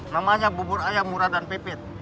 namanya bubur ayam murah dan pipit